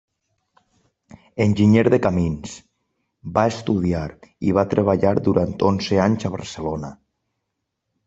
Enginyer de camins, va estudiar i va treballar durant onze anys a Barcelona.